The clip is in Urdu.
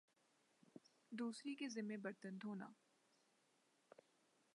دوسری کے ذمہ برتن دھونا